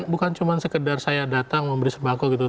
bukan cuma sekedar saya datang memberi sembako gitu